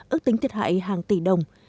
ước tính thiệt hại hàng tỷ đồng